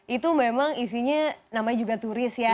itu memang isinya namanya juga turis ya